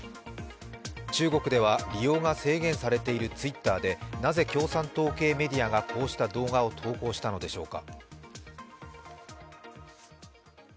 中国では利用が制限されているＴｗｉｔｔｅｒでなぜ共産党系メディアがこうした動画を投稿したのでしょうか？